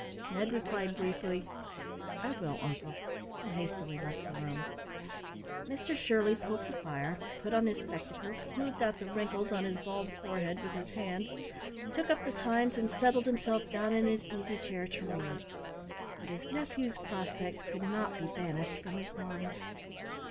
Ned replied briefly, "I will, uncle," and hastily left the room. Mr Shirley poked the fire, put on his spectacles, smoothed out the wrinkles on his bald forehead with his hand, took up the Times, and settled himself down in his easy chair to read; but his nephew's prospects could not be banished from his mind.